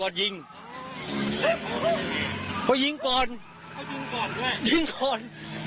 ก็ยิงก่อนเขายิงก่อนด้วยยิงก่อน